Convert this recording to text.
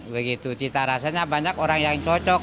begitu cita rasanya banyak orang yang cocok